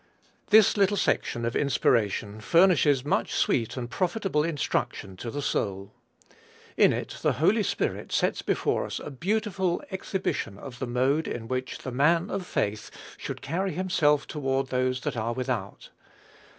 This little section of inspiration furnishes much sweet and profitable instruction to the soul. In it the Holy Spirit sets before us a beautiful exhibition of the mode in which the man of faith should carry himself toward those that are without.